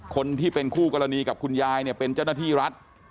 คนที่เป็นคู่กรณีกับคุณยายเนี่ยเป็นเจ้าหน้าที่รัฐ